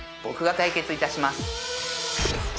僕が解決いたします